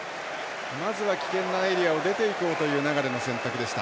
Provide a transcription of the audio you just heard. まずは危険なエリアを出ていこうという流の選択でした。